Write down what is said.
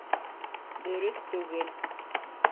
— Дөрөҫ түгел.